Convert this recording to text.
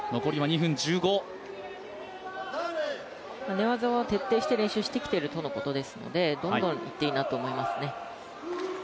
寝技は徹底して練習してきているとのことですのでどんどんいっていいなと思いますね。